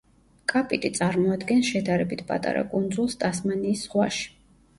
კაპიტი წარმოადგენს შედარებით პატარა კუნძულს ტასმანიის ზღვაში.